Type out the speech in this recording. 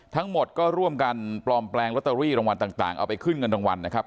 ทั้งหมดก็ร่วมกันปลอมแปลงลอตเตอรี่รางวัลต่างเอาไปขึ้นเงินรางวัลนะครับ